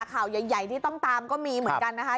ข่าวใหญ่ที่ต้องตามก็มีเหมือนกันนะคะ